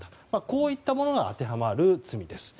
こういったものが当てはまる罪です。